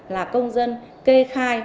là công dân kê khai